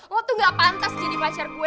oh tuh gak pantas jadi pacar gue